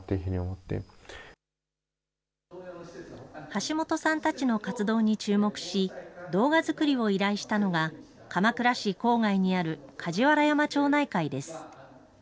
橋本さんたちの活動に注目し、動画作りを依頼したのが、鎌倉市郊外にある梶原山町内会です。